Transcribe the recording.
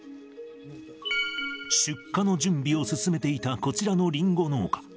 出荷の準備を進めていたこちらのリンゴ農家。